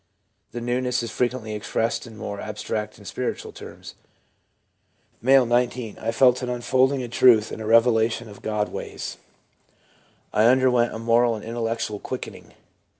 The newness is frequently expressed in more abstract and spiritual terms. M., 19. ' I felt an unfold ing of truth and a revelation of God's ways. I under went a moral and intellectual quickening.'